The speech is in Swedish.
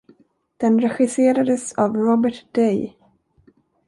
Den regisserades av Robert Day.